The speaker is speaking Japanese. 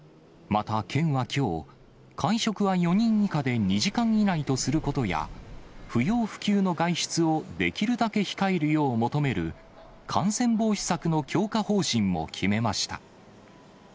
また、県はきょう、会食は４人以下で２時間以内とすることや、不要不急の外出をできるだけ控えるよう求める、感染防止策の強化方針も決めました。